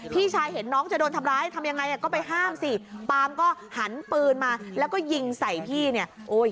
พี่ชายเห็นน้องจะโดนทำร้ายทำยังไงก็ไปห้ามสิปามก็หันปืนมาแล้วก็ยิงใส่พี่เนี่ยโอ้ย